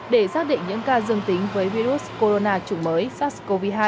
để xác định những ca dương tính với virus corona chủng mới sars cov hai